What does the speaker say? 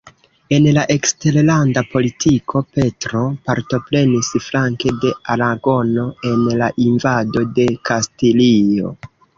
En la eksterlanda politiko, Petro partoprenis flanke de Aragono en la invado de Kastilio.